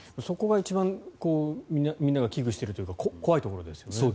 そこが一番みんなが危惧しているというか怖いところですよね。